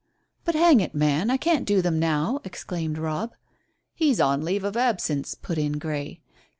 "But, hang it, man, I can't do them now," exclaimed Robb. "He's on leave of absence," put in Grey.